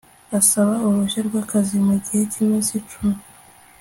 asaba uruhushya rw akazi mu gihe cy iminsi cumi